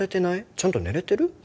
ちゃんと寝れてる？